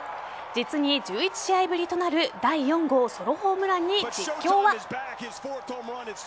実に１１試合ぶりとなる第４号ソロホームランに、実況は。